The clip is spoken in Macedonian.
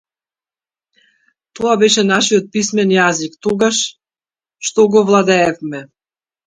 Тоа беше нашиот писмен јазик, тогаш што го владеевме.